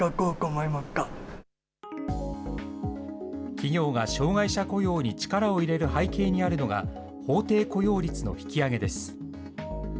企業が障害者雇用に力を入れる背景にあるのが、法定雇用率の引き上げです。